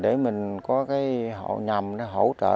để mình có cái hậu nhầm để hỗ trợ